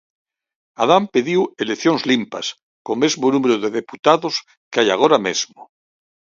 Adán pediu "eleccións limpas", co "mesmo número de deputados que hai agora mesmo".